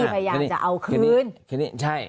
ผยาจะเอาคืน